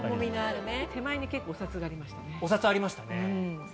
手前に結構、お札がありましたね。